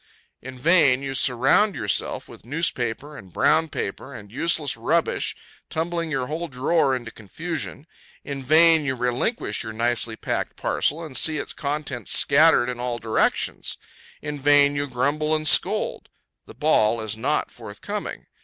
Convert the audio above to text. In vain you surround yourself with newspaper and brown paper, and useless rubbish, tumbling your whole drawer into confusion. In vain you relinquish your nicely packed parcel, and see its contents scattered in all directions. In vain you grumble and scold. The ball is not forthcoming.